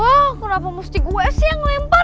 wuhh kenapa musti gue sih yang lempar